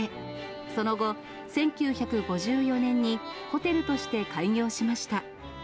その後、１９５４年にホテルとして開業しました。